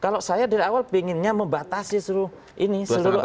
kalau saya dari awal inginnya membatasi seluruh ini